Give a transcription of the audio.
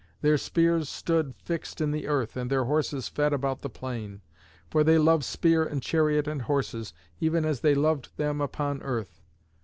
Their spears stood fixed in the earth, and their horses fed about the plain; for they love spear and chariot and horses, even as they loved them upon earth.